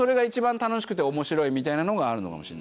みたいなのがあるのかもしれないです。